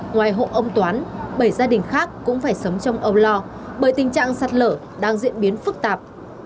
ngoài hộ ông toán bảy gia đình khác cũng phải sống trong âu lo bởi tình trạng sạt lở đang diễn biến phức tạp